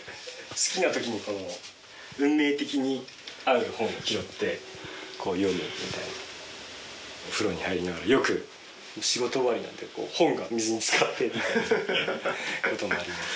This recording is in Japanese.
好きな時に運命的に会う本を拾って読むみたいなお風呂に入りながらよく仕事終わりなんで本が水につかってみたいなことになります